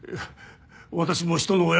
私も人の親。